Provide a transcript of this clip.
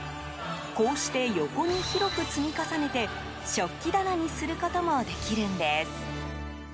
こうして横に広く積み重ねて食器棚にすることもできるんです。